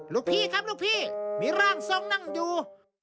ลูกพี่ครับลูกพี่มีร่างทรงนั่งอยู่